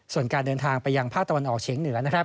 ส่วนการเดินทางไปยังภาคตะวันออกเฉียงเหนือนะครับ